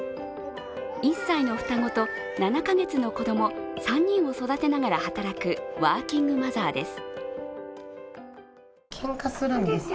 １歳の双子と７か月の子供３人を育てながら働くワーキングマザーです。